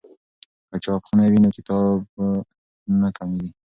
که چاپخونه وي نو کتاب نه کمېږي.